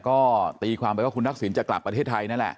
ก็ตีความไปว่าคุณทักษิณจะกลับประเทศไทยนั่นแหละ